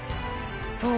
そう。